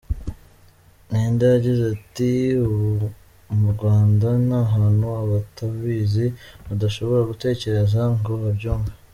Mwenda yagize ati “Ubu mu Rwanda ni ahantu abatabizi badashobora gutekereza ngo babyumve.